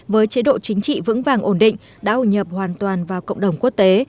với chế độ chính trị vững vàng ổn định đã ủ nhập hoàn toàn vào cộng đồng quốc tế